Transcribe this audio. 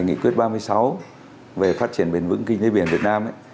năm một nghìn chín trăm ba mươi sáu về phát triển bền vững kinh tế biển việt nam